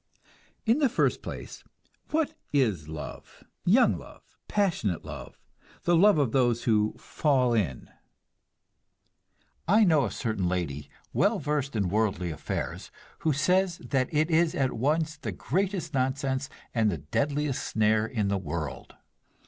In the first place, what is love young love, passionate love, the love of those who "fall in"? I know a certain lady, well versed in worldly affairs, who says that it is at once the greatest nonsense and the deadliest snare in the world.